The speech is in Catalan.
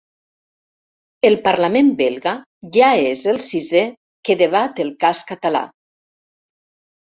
El parlament belga ja és el sisè que debat el cas català.